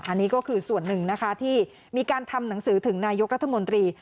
อันนี้ก็คือส่วนหนึ่งนะคะที่มีการทำหนังสือถึงนายกรัฐมนตรี